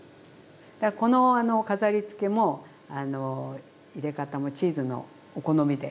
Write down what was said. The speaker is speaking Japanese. この飾りつけも入れ方もチーズもお好みで。